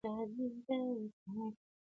• له چڼچڼو، توتکیو تر بازانو -